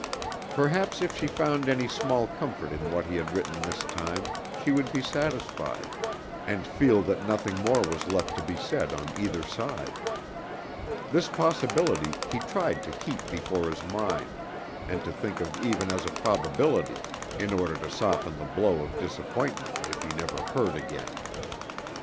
Perhaps if she found any small comfort in what he had written this time, she would be satisfied, and feel that nothing more was left to be said on either side. This possibility he tried to keep before his mind, and to think of even as a probability, in order to soften the blow of disappointment if he never heard again.